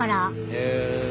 へえ。